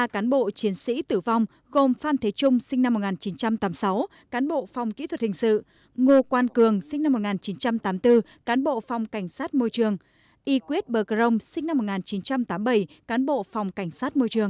ba cán bộ chiến sĩ tử vong gồm phan thế trung sinh năm một nghìn chín trăm tám mươi sáu cán bộ phòng kỹ thuật hình sự ngô quan cường sinh năm một nghìn chín trăm tám mươi bốn cán bộ phòng cảnh sát môi trường y quyết bờ grong sinh năm một nghìn chín trăm tám mươi bảy cán bộ phòng cảnh sát môi trường